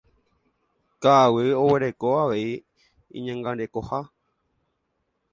Ka'aguy oguereko avei iñangarekoha.